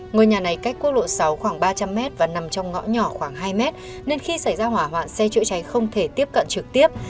ngôi nhà này cách quốc lộ sáu khoảng ba trăm linh m và nằm trong ngõ nhỏ khoảng hai mét nên khi xảy ra hỏa hoạn xe chữa cháy không thể tiếp cận trực tiếp